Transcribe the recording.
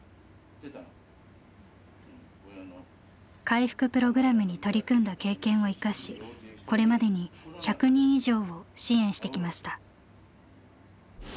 回復プログラムに取り組んだ経験を生かしこれまでに１００人以上を支援してきました。